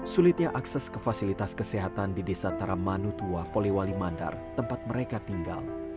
sulitnya akses ke fasilitas kesehatan di desa taramanu tua polewali mandar tempat mereka tinggal